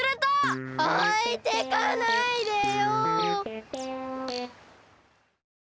おいてかないでよ！